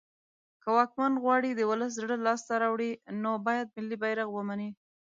که واکمن غواړی د ولس زړه لاس ته راوړی نو باید ملی بیرغ ومنی